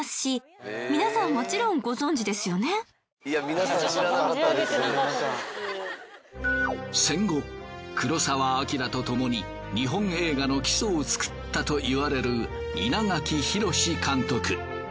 なかでも戦後黒澤明とともに日本映画の基礎を作ったといわれる稲垣浩監督。